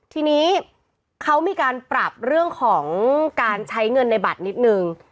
ทีนี้เขามีการปรับเรื่องของการใช้เงินในบัตรนิดนึง